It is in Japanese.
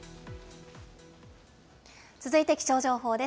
続いて気象情報です。